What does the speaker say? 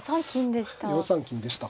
４三金でした。